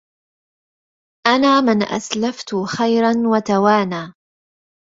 أنا من أسلفت خيرا وتوانى